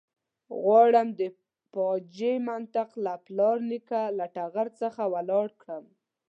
غواړم د فاجعې منطق له پلار نیکه له ټغر څخه ولاړ کړم.